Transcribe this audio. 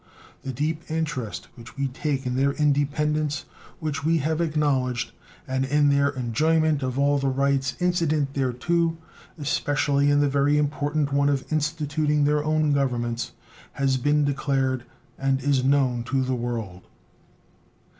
The deep interest which we take in their independence, which we have acknowledged, and in their enjoyment of all the rights incident thereto, especially in the very important one of instituting their own Governments, has been declared, and is known to the world.